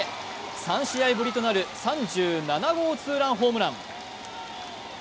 ３試合ぶりとなる３７号ツーランホームラン。